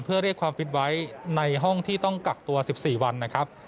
เพื่อเรียกความฟิตไว้ในห้องที่ต้องกักตัว๑๔วันนะครับ